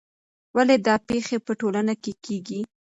ولې دا پېښې په ټولنه کې کیږي؟